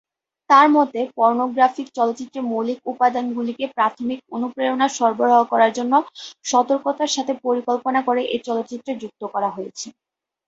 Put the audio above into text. তার মতে পর্নোগ্রাফিক চলচ্চিত্রের মৌলিক উপাদানগুলিকে প্রাথমিক অনুপ্রেরণা সরবরাহ করার জন্য সতর্কতার সাথে পরিকল্পনা করে এ চলচ্চিত্রে যুক্ত করা হয়েছে।